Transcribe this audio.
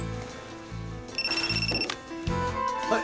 はい。